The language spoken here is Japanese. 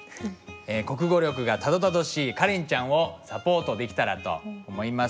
国語力がたどたどしいカレンちゃんをサポートできたらと思います。